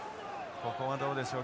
ここはどうでしょう